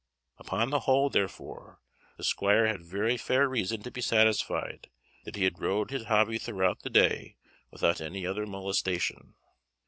Upon the whole, therefore, the squire had very fair reason to be satisfied that he had rode his hobby throughout the day without any other molestation.